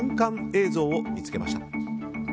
映像を見つけました。